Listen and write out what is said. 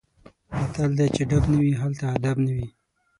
متل دی: چې ډب نه وي هلته ادب نه وي.